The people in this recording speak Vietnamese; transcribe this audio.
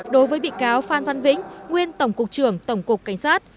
đối với bị cáo phan văn vĩnh nguyên tổng cục trưởng tổng cục cảnh sát